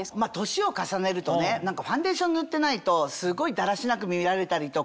年を重ねるとね何かファンデーション塗ってないとすごいだらしなく見られたりとか。